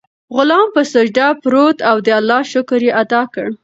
غلام په سجده پریووت او د الله شکر یې ادا کړ.